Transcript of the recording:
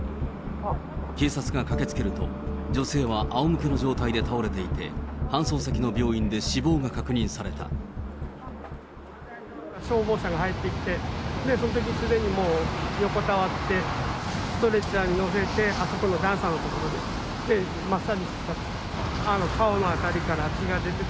警察が駆けつけると、女性はあおむけの状態で倒れていて、搬送先の病院で死亡が確認さ消防車が入ってきて、そのときすでにもう、横たわって、ストレッチャーに乗せて、あそこの段差の所で、マッサージしてた。